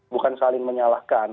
bukan saling menyalahkan